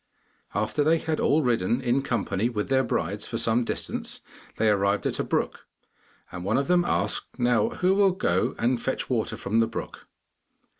After they had all ridden, in company with their brides, for some distance, they arrived at a brook, and one of them asked, 'Now, who will go and fetch water from the brook?